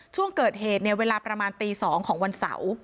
ช่วงเกิดเหตุเนี่ยเวลาประมาณตี๒ของวันเสาร์